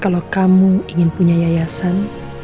kalau kamu ingin punya yayasan